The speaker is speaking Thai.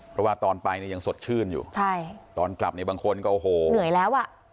เพราะว่าตอนไปเนี่ยยังสดชื่นอยู่ใช่ตอนกลับเนี่ยบางคนก็โอ้โหเหนื่อยแล้วอ่ะ